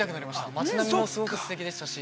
町並みもすごくすてきでしたし。